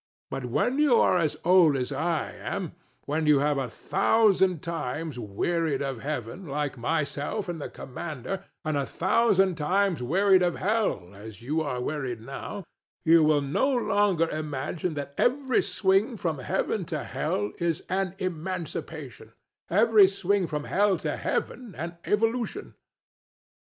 But when you are as old as I am; when you have a thousand times wearied of heaven, like myself and the Commander, and a thousand times wearied of hell, as you are wearied now, you will no longer imagine that every swing from heaven to hell is an emancipation, every swing from hell to heaven an evolution.